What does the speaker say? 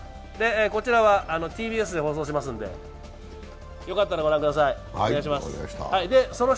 こちらはＴＢＳで放送しますんでよかったらご覧ください、お願いします。